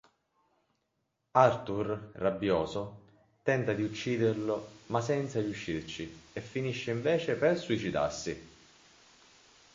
Arthur, rabbioso, tenta di ucciderlo ma senza riuscirci e finisce invece per suicidarsi.